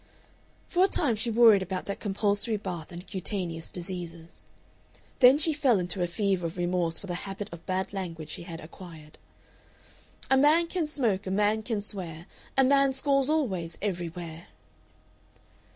For a time she worried about that compulsory bath and cutaneous diseases. Then she fell into a fever of remorse for the habit of bad language she had acquired. "A man can smoke, a man can swear; A man scores always, everywhere."